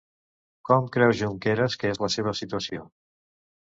Com creu Junqueras que és la seva situació?